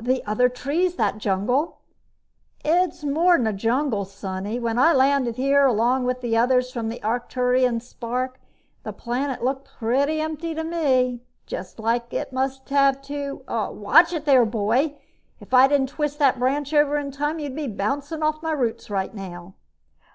"The other trees? That jungle?" "It's more'n a jungle, Sonny. When I landed here, along with the others from the Arcturan Spark, the planet looked pretty empty to me, just like it must have to Watch it, there, Boy! If I didn't twist that branch over in time, you'd be bouncing off my roots right now!"